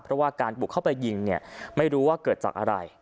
เพราะว่าการบุกเข้าไปยิงเนี่ยไม่รู้ว่าเกิดจากอะไร